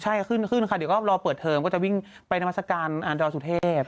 ใช่ขึ้นขึ้นค่ะเดี๋ยวก็รอเปิดเทอมก็จะวิ่งไปนามัศกาลดอยสุเทพ